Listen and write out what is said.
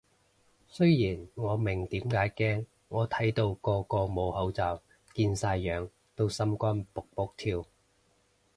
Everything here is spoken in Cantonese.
雖然我明點解驚，我睇到個個冇口罩見晒樣都心肝卜卜跳